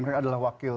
mereka adalah wakil